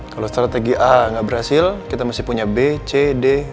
kalau strategi a nggak berhasil kita masih punya b c d